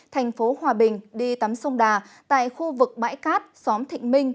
thành phố hòa bình đi tắm sông đà tại khu vực bãi cát xóm thịnh minh